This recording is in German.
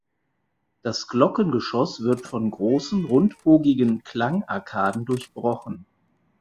Das Glockengeschoss wird von großen rundbogigen Klangarkaden durchbrochen.